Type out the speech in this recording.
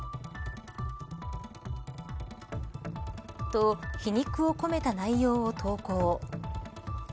と、皮肉を込めた内容を投稿。